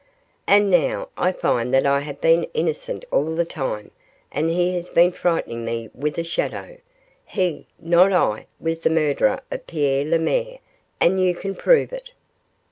And now I find that I have been innocent all the time, and he has been frightening me with a shadow. He, not I, was the murderer of Pierre Lemaire, and you can prove it.